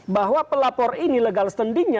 bahwa pelapor ini legal standingnya